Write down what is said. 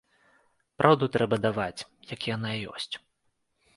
Праўду трэба даваць, як яна ёсць.